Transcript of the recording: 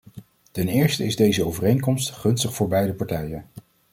Ten eerste is deze overeenkomst gunstig voor beide partijen.